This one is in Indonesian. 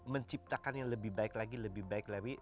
menciptakan yang lebih baik lagi lebih baik lagi